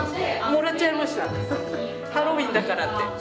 もらっちゃいましたハロウィーンだからって。